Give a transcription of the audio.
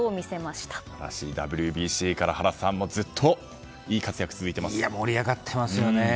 しかし原さん、ＷＢＣからずっといい活躍が盛り上がってますよね。